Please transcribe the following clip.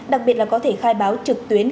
đặc biệt là có thể khai báo trực tuyến